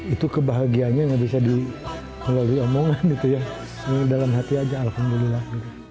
itu kebahagianya ga bisa diomongin gitu ya dalam hati aja alhamdulillah